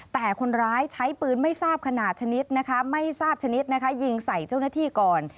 แต่คนร้ายใช้ปืนไม่ทราบขนาดชนิดนะคะไม่ทราบชนิดนะคะยิงใส่เจ้าหน้าที่ก่อน